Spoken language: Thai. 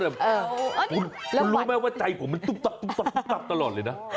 คุณรู้ไหมว่าใจผมมันตุ๊บตับตลอดเลยนะ